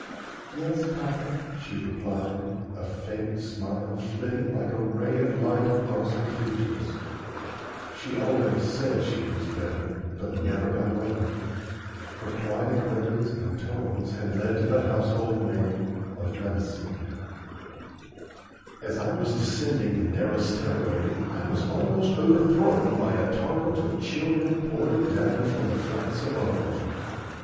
"Yes, papa," she replied, a faint smile flitting like a ray of light across her features. She always said she was better, but never got well. Her quiet ways and tones had led to the household name of "Mousie." As I was descending the narrow stairway I was almost overthrown by a torrent of children pouring down from the flats above.